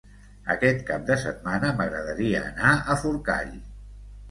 Aquest cap de setmana m'agradaria anar a Forcall.